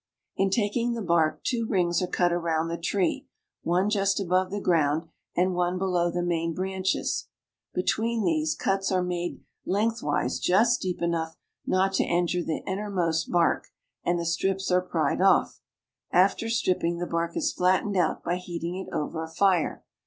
In taking the bark, two rings are cut around the tree, one just above the ground, and one below the main branches. Between these, cuts are made lengthwise just THE KINGDOM OF PORTUGAL. 45 deep enough not to injure the innermost bark, and the strips are pried off. After stripping, the bark is flattened out by heating it over a fire.